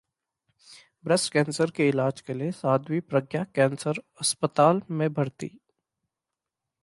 breast cancer के इलाज के लिए साध्वी प्रज्ञा कैंसर अस्पताल में भर्ती